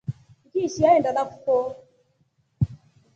Ngiishi aenda nakufo.